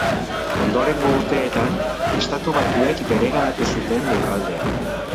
Ondorengo urteetan, Estatu Batuek bereganatu zuten lurraldea.